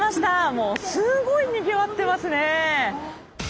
もうすごいにぎわってますね。